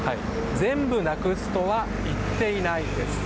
全部なくすとは言っていない。